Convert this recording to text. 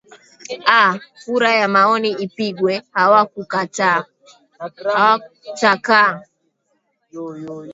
aah kura ya maoni ipigwe hawakutakaa